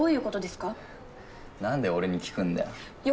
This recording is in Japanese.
なんで俺に聞くんだよ。